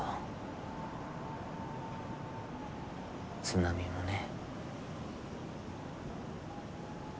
津波もね。